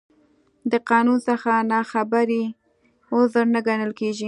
د قانون څخه نا خبري، عذر نه ګڼل کېږي.